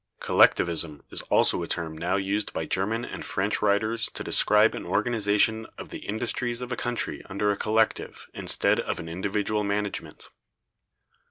Collectivism is also a term now used by German and French writers to describe an organization of the industries of a country under a collective instead of an individual management.